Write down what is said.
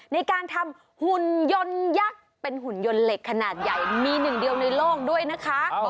ในการทำหุ่นยนต์ยักษ์เป็นหุ่นยนต์เหล็กขนาดใหญ่มีหนึ่งเดียวในโลกด้วยนะคะ